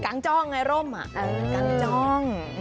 กางจ้องไงร่มอ่ะกางจ้อง